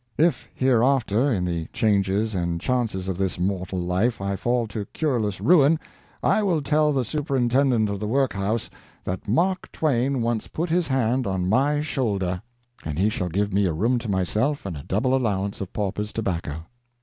If hereafter, in the changes and chances of this mortal life, I fall to cureless ruin, I will tell the superintendent of the workhouse that Mark Twain once put his hand on my shoulder; and he shall give me a room to myself and a double allowance of paupers' tobacco.